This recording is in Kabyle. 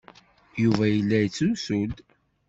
Yuba yella yettrusu-d.